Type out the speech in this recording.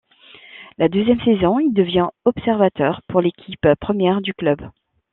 La deuxième saison, il devient observateur pour l'équipe première du club.